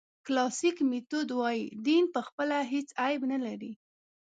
کلاسیک میتود وایي دین پخپله هېڅ عیب نه لري.